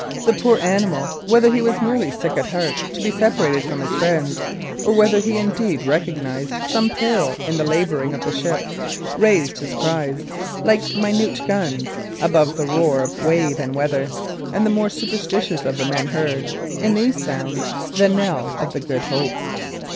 The poor animal, whether he was merely sick at heart to be separated from his friends, or whether he indeed recognised some peril in the labouring of the ship, raised his cries, like minute guns, above the roar of wave and weather; and the more superstitious of the men heard, in these sounds, the knell of the Good Hope.